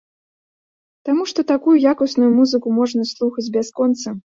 Таму што такую якасную музыку можна слухаць бясконца.